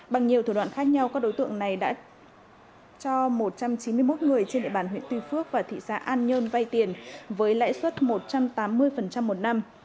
bằng nhiều thủ đoạn khác nhau các đối tượng này đã cho một trăm chín mươi một người trên địa bàn huyện tuy phước và thị xã an nhơn vay tiền với lãi suất một trăm tám mươi một năm